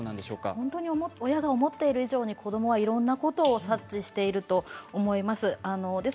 本当に親が思っている以上に子どもはいろいろなことを察知していると思います。